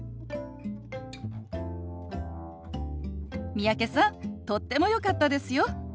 三宅さんとってもよかったですよ。